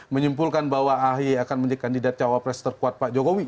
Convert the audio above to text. menyimpulkan bahwa ahy akan menjadi kandidat cawapres terkuat pak jokowi